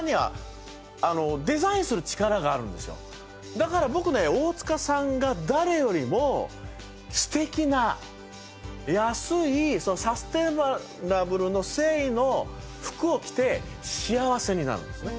だから僕ね大塚さんが誰よりも素敵な安いサステナブルの繊維の服を着て幸せになるんですね。